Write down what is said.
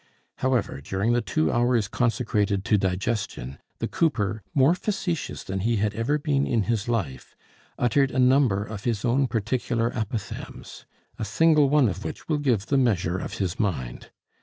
However, during the two hours consecrated to digestion, the cooper, more facetious than he had ever been in his life, uttered a number of his own particular apothegms, a single one of which will give the measure of his mind.